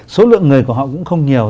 số lượng người của họ cũng không nhiều